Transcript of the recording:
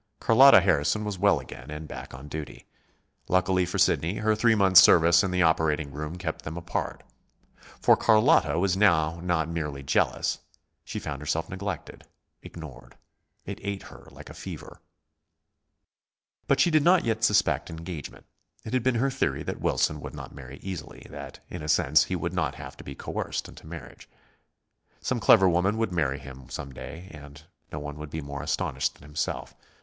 Carlotta Harrison was well again, and back on duty. Luckily for Sidney, her three months' service in the operating room kept them apart. For Carlotta was now not merely jealous. She found herself neglected, ignored. It ate her like a fever. But she did not yet suspect an engagement. It had been her theory that Wilson would not marry easily that, in a sense, he would have to be coerced into marriage. Some clever woman would marry him some day, and no one would be more astonished than himself.